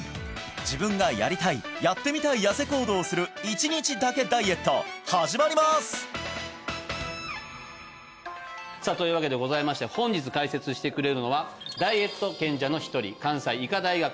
自分がやりたいやってみたいヤセ行動をする１日だけダイエット始まりますさあというわけでございまして本日解説してくれるのはダイエット賢者の一人関西医科大学